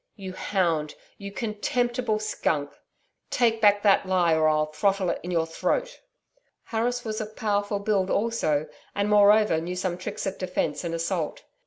'You hound! You contemptible skunk! Take back that lie, or I'll throttle it in your throat.' Harris was of powerful build also, and, moreover knew some tricks of defence and assault.